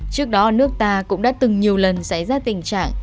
trước đó nước ta cũng đã từng nhiều lần xảy ra tình trạng